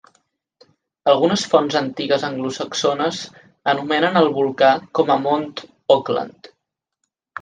Algunes fonts antigues anglosaxones anomenen el volcà com a Mont Auckland.